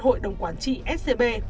hội đồng quản trị scb